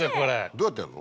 どうやってやんの？